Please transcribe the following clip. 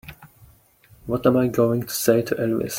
What am I going to say to Elvis?